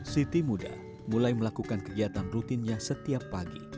siti muda mulai melakukan kegiatan rutinnya setiap pagi